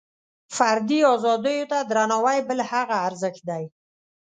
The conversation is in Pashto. فردي ازادیو ته درناوۍ بل هغه ارزښت دی.